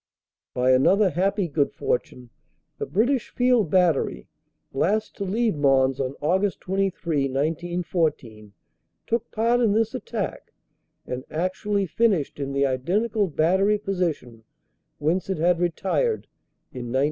By another happy good fortune, the British Field Battery, last to leave Mons on Aug. 23, 1914, took part in this attack and actually finished in the identical battery position whence it had retired in 1914.